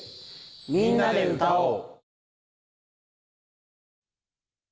「みんなで歌おう」。